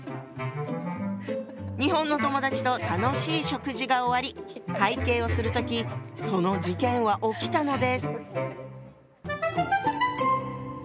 日本の友だちと楽しい食事が終わり会計をする時その事件は起きたのです。